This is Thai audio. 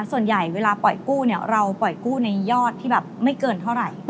ส่วนใหญ่เวลาปล่อยกู้เนี่ยเราปล่อยกู้ในยอดที่แบบไม่เกินเท่าไหร่